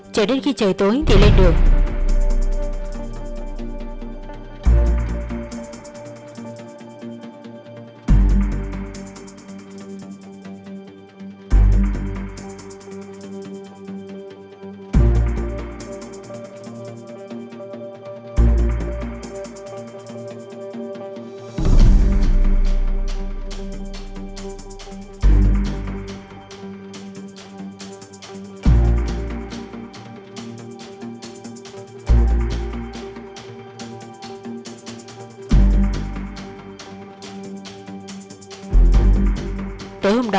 chờ đến khi trời tối thì lên đường